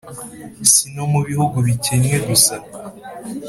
si no mu bihugu bikennye gusa.